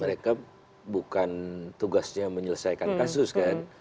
mereka bukan tugasnya menyelesaikan kasus kan